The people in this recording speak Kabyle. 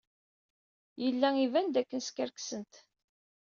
Yella iban dakken skerksent.